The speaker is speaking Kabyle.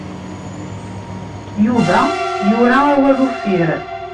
Yuba yura awal uffir.